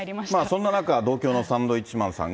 そんな中、同郷のサンドウィッチマンさんが。